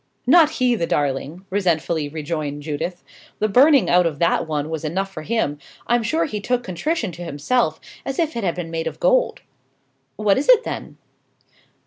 "Not he, the darling!" resentfully rejoined Judith. "The burning out of that one was enough for him. I'm sure he took contrition to himself, as if it had been made of gold." "What is it, then?"